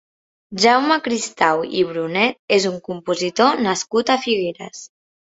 Jaume Cristau i Brunet és un compositor nascut a Figueres.